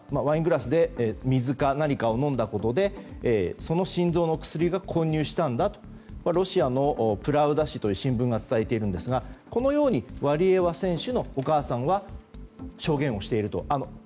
ワイングラスで水か何かを飲んだことで心臓の薬が混入したんだとロシアのプラウダ紙という新聞が伝えていますがこのようにワリエワ選手のお母さんが証言をしていると。